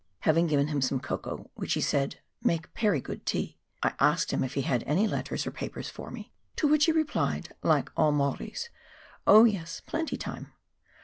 Having given him some cocoa, which he said " Make pery good tea," I asked him if he had any letters or papers for me, to which he replied, like all Maoris, " Oh yes, plenty time."